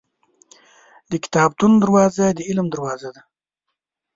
• د کتابتون دروازه د علم دروازه ده.